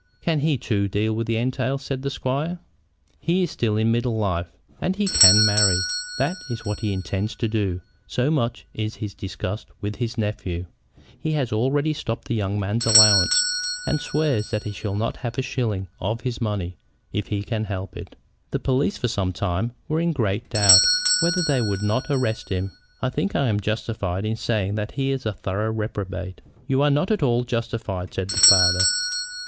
"Can he too deal with entails?" said the squire. "He is still in middle life, and he can marry. That is what he intended to do, so much is he disgusted with his nephew. He has already stopped the young man's allowance, and swears that he shall not have a shilling of his money if he can help it. The police for some time were in great doubt whether they would not arrest him. I think I am justified in saying that he is a thorough reprobate." "You are not at all justified," said the father.